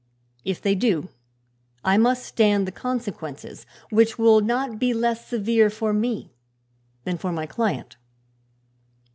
If they do, I must stand the consequences, which will not be less severe for me than for my client."